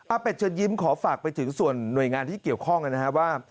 เป็ดเชิญยิ้มขอฝากไปถึงส่วนหน่วยงานที่เกี่ยวข้องนะครับว่า